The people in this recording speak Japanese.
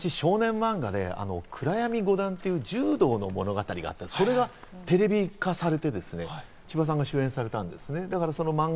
古いんですけど昔、少年漫画で『暗闇五段』という柔道の物語があって、それがテレビ化されて千葉さんが主演されたんです。